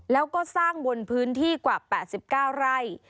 แล้วก็สร้างบนพื้นที่กว่า๘๙ไร่